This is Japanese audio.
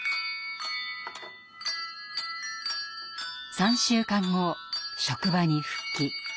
３週間後職場に復帰。